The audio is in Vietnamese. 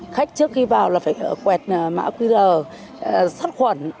khách trước khi vào là phải quẹt mã quy rờ sát khuẩn